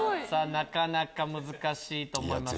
なかなか難しいと思います。